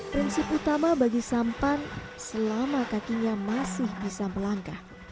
prinsip utama bagi sampan selama kakinya masih bisa melangkah